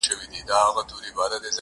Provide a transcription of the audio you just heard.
نه یې څه پیوند دی له بورا سره-